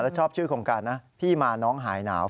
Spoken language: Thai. แล้วชอบชื่อโครงการนะพี่มาน้องหายหนาว